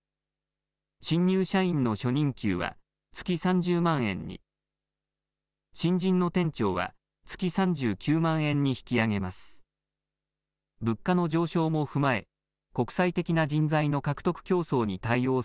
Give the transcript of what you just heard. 新入社員の初任給は月３０万円に、新人の店長は月３９万円に引き上げます。